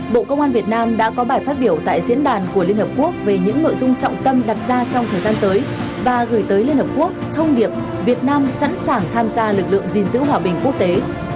bộ công an việt nam đã có bài phát biểu tại diễn đàn của liên hợp quốc về những nội dung trọng tâm đặt ra trong thời gian tới và gửi tới liên hợp quốc thông điệp việt nam sẵn sàng tham gia lực lượng gìn giữ hòa bình quốc tế